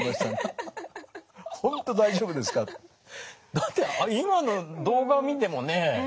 だって今の動画見てもね